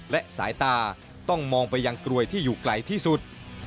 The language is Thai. และสายตาต้องมองไปยังกรวยที่อยู่ไกลที่สุด